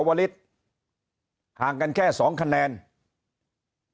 เพราะสุดท้ายก็นำไปสู่การยุบสภา